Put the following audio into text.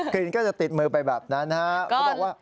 กลิ่นก็จะติดมือไปแบบนั้นครับ